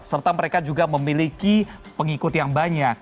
serta mereka juga memiliki pengikut yang banyak